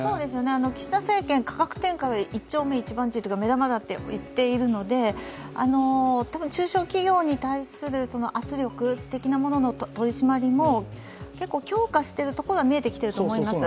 岸田政権、価格転嫁一丁目一番地、目玉だって言っているので、たぶん中小企業に対する圧力的なものの取り締まりも結構強化しているところは見えていると思うんですね。